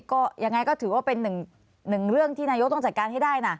ก็ยังไงก็ถือว่าเป็นหนึ่งเรื่องที่นายกต้องจัดการให้ได้นะ